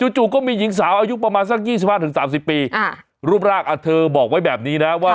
จู่ก็มีหญิงสาวอายุประมาณสัก๒๕๓๐ปีรูปร่างเธอบอกไว้แบบนี้นะว่า